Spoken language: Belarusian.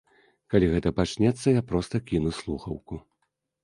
Калі гэта пачнецца, я проста кіну слухаўку.